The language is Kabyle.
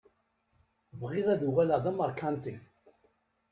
Bɣiɣ ad uɣaleɣ d ameṛkanti.